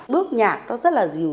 bước nhạc nó rất là dìu